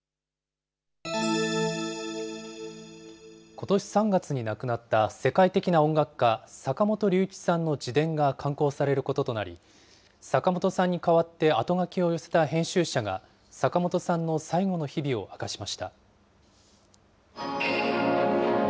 ことし３月に亡くなった世界的な音楽家、坂本龍一さんの自伝が刊行されることとなり、坂本さんに代わってあとがきを寄せた編集者が、坂本さんの最後の日々を明かしました。